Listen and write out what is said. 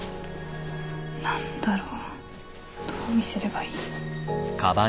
何だろうどう見せればいい？